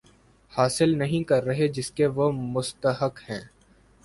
حاصل نہیں کر رہے جس کے وہ مستحق ہیں